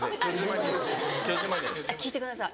聞いてください。